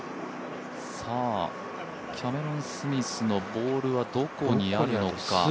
キャメロン・スミスのボールはどこにあるのか。